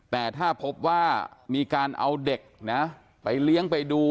แต่ถ้าพบว่ามีการเอาเด็กนะไปเลี้ยงไปดู